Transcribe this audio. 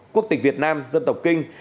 quốc tịch việt nam dân tộc kinh